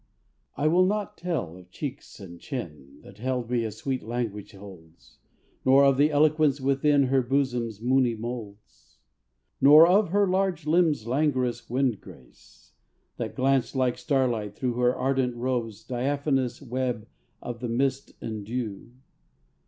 _ _I will not tell of cheeks and chin, That held me as sweet language holds; Nor of the eloquence within Her bosom's moony molds._ _Nor of her large limbs' languorous Wind grace, that glanced like starlight through Her ardent robe's diaphanous Web of the mist and dew.